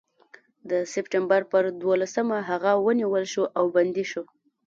د سپټمبر پر دولسمه هغه ونیول شو او بندي شو.